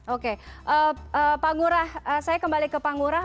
oke pak ngurah saya kembali ke pak ngurah